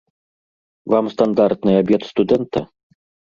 Вам стандартны абед студэнта?